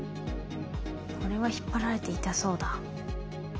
これは引っ張られて痛そうだ。